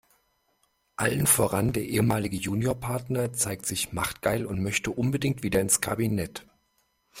Allen voran der ehemalige Juniorpartner zeigt sich machtgeil und möchte unbedingt wieder ins Kabinett.